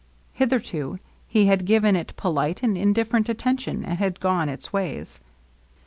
Hitherto he had given it polite and indiffer ent attention, and had gone his ways.